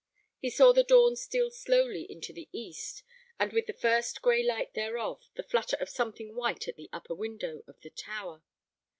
He saw the dawn steal slowly into the east, and with the first gray light thereof the flutter of something white at the upper window of the tower.